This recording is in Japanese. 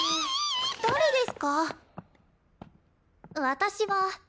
私は。